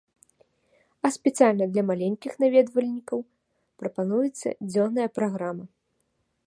А спецыяльна для маленькіх наведвальнікаў прапануецца дзённая праграма.